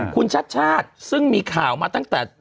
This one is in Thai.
คุณชัดชาติซึ่งมีข่าวมาตั้งแต่